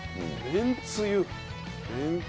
めんつゆ。